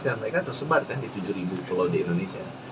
dan mereka tersebar kan di tujuh pulau di indonesia